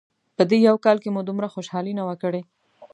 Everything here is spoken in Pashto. په دې یو کال مو دومره خوشحالي نه وه کړې.